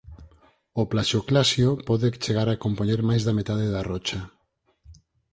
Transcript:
O plaxioclasio pode chegar a compoñer máis da metade da rocha.